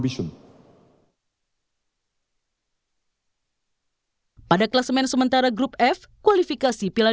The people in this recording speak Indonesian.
kita di jakarta dengan kepercayaan penuh